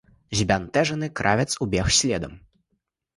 Збянтэжаны кравец убег следам.